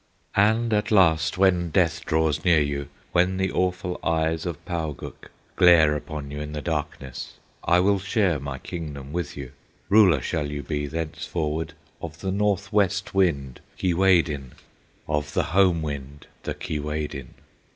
"And at last when Death draws near you, When the awful eyes of Pauguk Glare upon you in the darkness, I will share my kingdom with you, Ruler shall you be thenceforward Of the Northwest Wind, Keewaydin, Of the home wind, the Keewaydin."